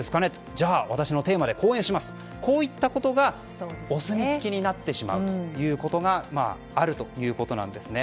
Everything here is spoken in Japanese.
じゃあ私のテーマでこういったことがお墨付きになってしまうということがあるということなんですね。